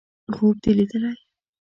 _خوب دې ليدلی!